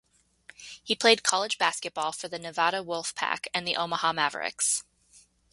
He played college basketball for the Nevada Wolf Pack and the Omaha Mavericks.